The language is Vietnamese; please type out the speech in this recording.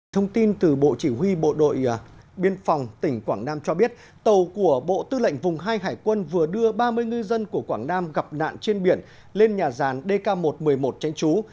thông tin từ bộ chỉ huy bộ đội biên phòng tỉnh quảng nam cho biết tàu của bộ tư lệnh vùng hai hải quân vừa đưa ba mươi ngư dân của quảng nam gặp nạn trên biển lên nhà ràn dk một trăm một mươi một tránh trú